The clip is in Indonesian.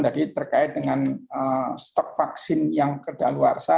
jadi terkait dengan stok vaksin yang kedaluarsa